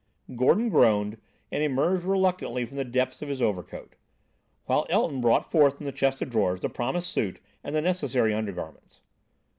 Gordon groaned, and emerged reluctantly from the depths of his overcoat, while Elton brought forth from the chest of drawers the promised suit and the necessary undergarments.